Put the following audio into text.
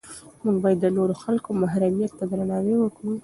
موږ باید د نورو خلکو محرمیت ته درناوی وکړو.